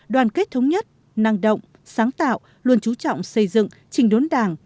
đoàn kết thống nhất năng động sáng tạo luôn trú trọng xây dựng trình đốn đảng